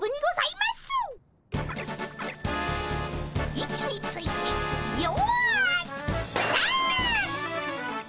位置についてよいどん！